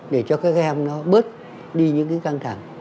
để cho các em nó bớt đi những cái căng thẳng